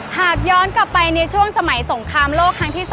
หากย้อนกลับไปในช่วงสมัยสงครามโลกครั้งที่๒